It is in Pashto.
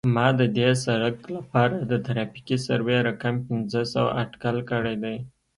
ما د دې سرک لپاره د ترافیکي سروې رقم پنځه سوه اټکل کړی دی